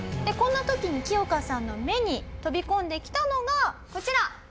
こんな時にキヨカさんの目に飛び込んできたのがこちら。